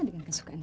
terima kasih ujang